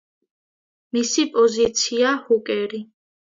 მისი პოზიციაა ჰუკერი.